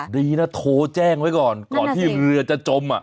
ดีนะโทรแจ้งไว้ก่อนก่อนที่เรือจะจม